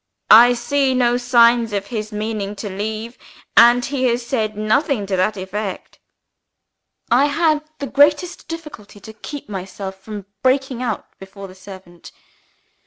I see no signs of his meaning to leave; and he has said nothing to that effect." I had the greatest difficulty to keep myself from breaking out before the servant.